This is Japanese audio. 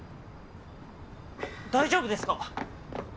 大丈夫ですか？